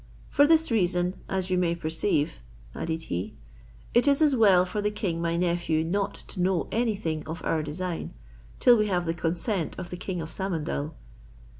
For this reason, as you may perceive," added he, "it is as well for the king my nephew not to know any thing of our design, till we have the consent of the king of Samandal."